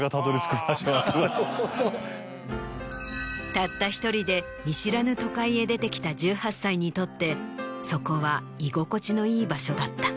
たった１人で見知らぬ都会へ出てきた１８歳にとってそこは居心地のいい場所だった。